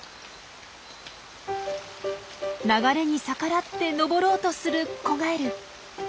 流れに逆らって登ろうとする子ガエル。